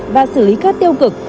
và xử lý các tiêu cực